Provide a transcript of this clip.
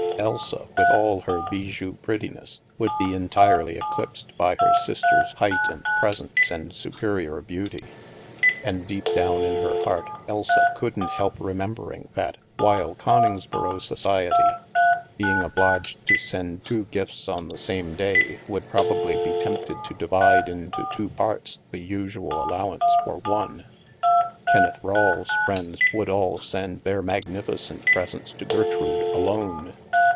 Elsa, with all her bijou prettiness, would be entirely eclipsed by her sister's height, and presence, and superior beauty. And, deep down in her heart, Elsa couldn't help remembering that while Coningsboro society, being obliged to send two gifts on the same day, would probably be tempted to divide into two parts the usual allowance for one, Kenneth Rawle's friends STILL WATERS 103 would all send their magnificent presents to Ger trude alone.